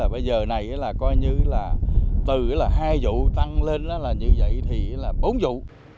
bây giờ này từ hai vụ tăng lên như vậy thì bốn vụ